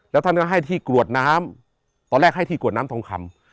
แล้วท่านก็ให้ที่กรวดน้ำตอนแรกให้ที่กรวดน้ำทองคำ